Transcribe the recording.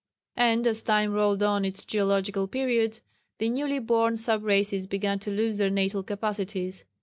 And, as time rolled on its geological periods, the newly born sub races began to lose their natal capacities.